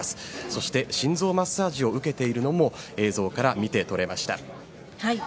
そして、心臓マッサージを受けているのも映像から見て取れました。